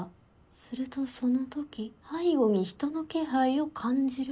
するとその時背後に人の気配を感じる。